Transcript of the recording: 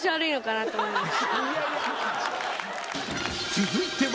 ［続いては］